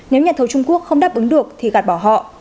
nếu nhà thầu trung quốc không đáp ứng được thì gạt bỏ họ